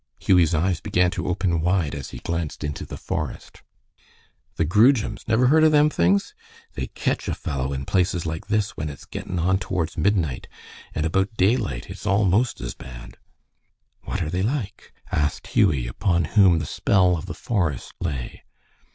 Hughie's eyes began to open wide as he glanced into the forest. "The groojums. Never heard of them things? They ketch a fellow in places like this when it's gettin' on towards midnight, and about daylight it's almost as bad." "What are they like?" asked Hughie, upon whom the spell of the forest lay.